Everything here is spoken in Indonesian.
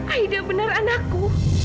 aida benar anakku